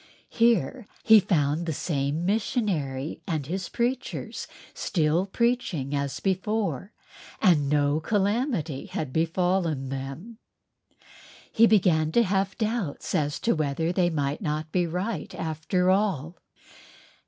Here he found the same missionary with his preachers still preaching as before—and no calamity had befallen them! He began to have doubts as to whether they might not be right after all.